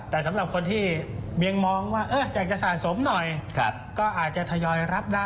แต่สำหรับคนที่เมียงมองว่าอยากจะสะสมหน่อยก็อาจจะทยอยรับได้